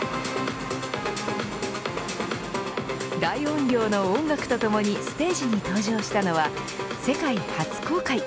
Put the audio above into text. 大音量の音楽とともにステージに登場したのは世界初公開